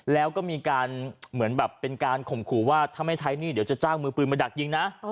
แล้วก็มีการเหมือนแบบเป็นการข่มขู่ว่าถ้าไม่ใช้หนี้เดี๋ยวจะจ้างมือปืนมาดักยิงนะ